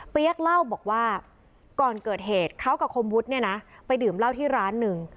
เล่าบอกว่าก่อนเกิดเหตุเขากับคมวุฒิเนี่ยนะไปดื่มเหล้าที่ร้านหนึ่ง